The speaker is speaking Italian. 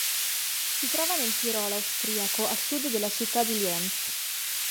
Si trova nel Tirolo austriaco a sud della città di Lienz.